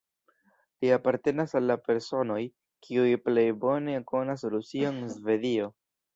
Li apartenas al la personoj, kiuj plej bone konas Rusion en Svedio.